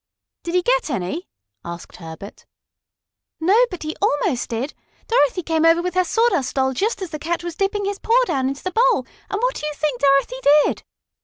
"Did he get any?" asked Herbert. "No, but he almost did. Dorothy came over with her Sawdust Doll just as the cat was dipping his paw down into the bowl, and what do you think Dorothy did?"